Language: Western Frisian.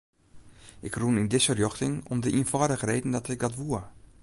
Ik rûn yn dizze rjochting om de ienfâldige reden dat ik dat woe.